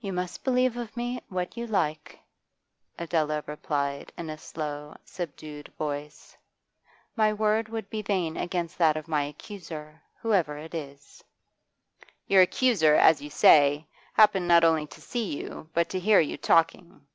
'You must believe of me what you like,' Adela replied in a slow, subdued voice. 'My word would be vain against that of my accuser, whoever it is.' 'Your accuser, as you say, happened not only to see you, but to hear you talking.